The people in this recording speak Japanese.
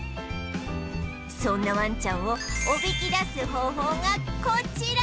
そんなワンちゃんをおびき出す方法がこちら！